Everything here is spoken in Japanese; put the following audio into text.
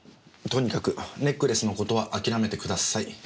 とにかくネックレスの事は諦めてください。